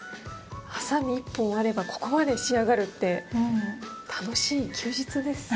はさみ１本あればここまで仕上がるって楽しい休日です。